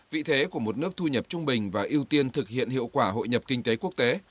vị thế của một nước thu nhập trung bình và ưu tiên thực hiện hiệu quả hội nhập kinh tế quốc tế